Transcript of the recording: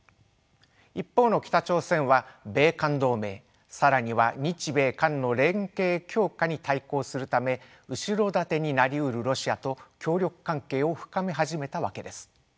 一方の北朝鮮は米韓同盟更には日米韓の連携強化に対抗するため後ろ盾になりうるロシアと協力関係を深め始めたわけです。